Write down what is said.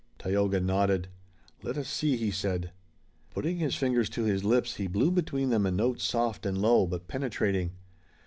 Tayoga nodded. "Let us see," he said. Putting his fingers to his lips, he blew between them a note soft and low but penetrating.